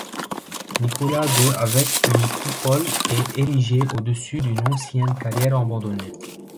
Nicolas de avec une coupole est érigée au-dessus d’une ancienne carrière abandonnée.